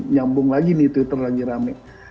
nyambung lagi nih twitter lagi rame